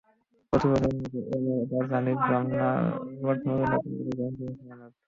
প্রতিবছরের মতো এবারও রাজধানীর রমনার বটমূলে নতুন বছরকে বরণ করেছে ছায়ানট।